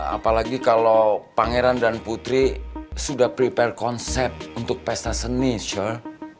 apalagi kalau pangeran dan putri sudah prepare konsep untuk pesaseni syur